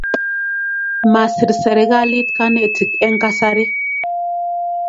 Masir sekalit kanetik en kasari